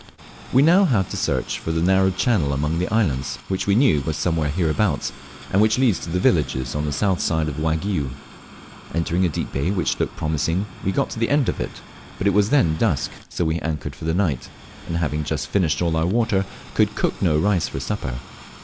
We now had to search for the narrow channel among islands, which we knew was somewhere hereabouts, and which leads to the villages on the south side of Waigiou. Entering a deep bay which looked promising, we got to the end of it, but it was then dusk, so we anchored for the night, and having just finished all our water could cook no rice for supper.